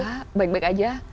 enggak baik baik aja